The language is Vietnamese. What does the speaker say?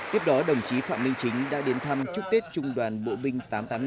tiếp đó đồng chí phạm minh chính đã đến thăm chúc tết trung đoàn bộ binh tám trăm tám mươi năm